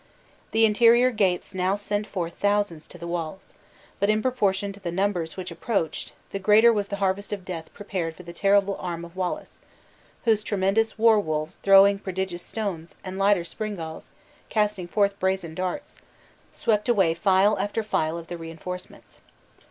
The interior gates now sent forth thousands to the walls; but in proportion to the numbers which approached, the greater was the harvest of death prepared for the terrible arm of Wallace, whose tremendous war wolves throwing prodigious stones, and lighter springalls, casting forth brazen darts, swept away file after file of the reinforcements.